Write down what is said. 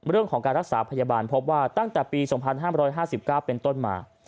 เรื่องของการรักษาพยาบาลพบว่าตั้งแต่ปี๒๕๕๙เป็นต้นมา